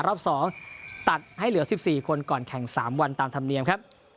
รอบ๒ตัดให้เหลือ๑๔คนก่อนแข่ง๓วันตามธรรมเนียมครับ